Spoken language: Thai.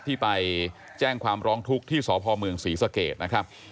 ที่ไปแจ้งความร้องทุกข์ที่สพเมืองศรีสเกตนะครับ